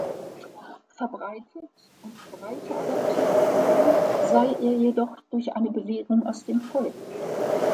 Verbreitet und breiter adaptiert worden sei er jedoch durch "„eine Bewegung aus dem Volk“.